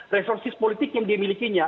resources politik yang dia milikinya